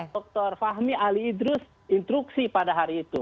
dr fahmi ali idrus instruksi pada hari itu